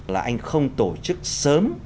là anh không tổ chức sớm